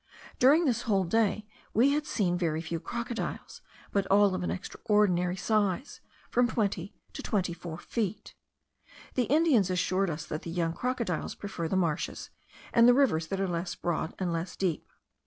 During this whole day we had seen very few crocodiles, but all of an extraordinary size, from twenty to twenty four feet. The Indians assured us that the young crocodiles prefer the marshes, and the rivers that are less broad, and less deep.